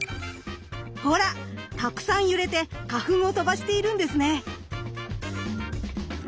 ほらたくさん揺れて花粉を飛ばしているんですね。